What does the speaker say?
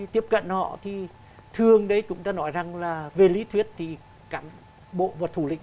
tiếp cận họ thì thường đấy chúng ta nói rằng là về lý thuyết thì cản bộ và thủ lĩnh